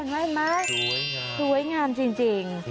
เห็นไหมสวยงามสวยงามจริง